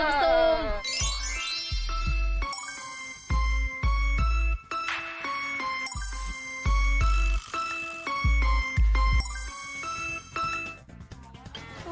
เออซูม